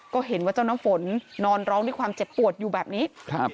ก็เห็นว่าเจ้าน้ำฝนนอนร้องด้วยความเจ็บปวดอยู่แบบนี้ครับ